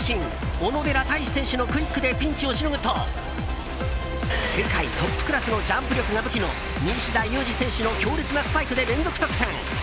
小野寺太志選手のクイックでピンチをしのぐと世界トップクラスのジャンプ力が武器の西田有志選手の強烈なスパイクで連続得点。